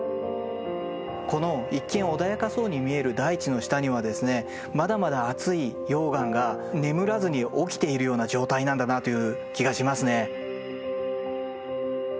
この一見穏やかそうに見える大地の下にはですねまだまだ熱い溶岩が眠らずに起きているような状態なんだなという気がしますね。